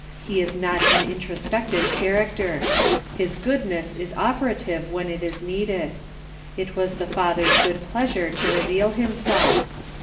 He is not an introspective character. His goodness is operative when it is needed. It was the Father's good pleasure to re veal himself.